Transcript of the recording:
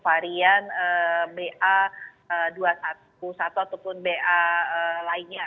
varian ba dua ratus satu ataupun ba lainnya